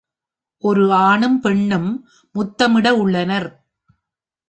ஒரு ஆணும் பெண்ணும் முத்தமிட உள்ளனர்